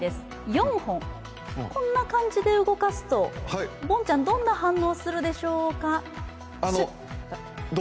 ４本こんな感じで動かすとボンちゃん、どんな反応をするでしょうか？